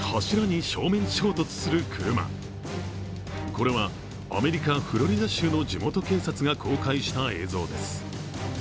これはアメリカ・フロリダ州の地元警察が公開した映像です。